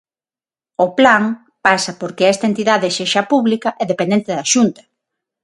O plan pasa por que esta entidade sexa pública e dependente da Xunta.